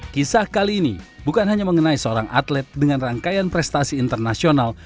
kisah kali ini bukan hanya mengenai seorang atlet dengan rangkaian prestasi internasional